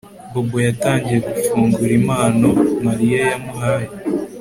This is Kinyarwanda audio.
Bobo yatangiye gufungura impano Mariya yamuhaye